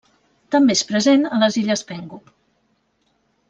També és present a les Illes Penghu.